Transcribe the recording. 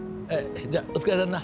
じゃあお疲れさんな。